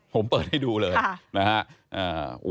ผมเปิดให้ดูเลยนะฮะ